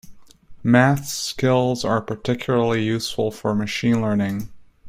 Maths skills are particularly useful for machine learning.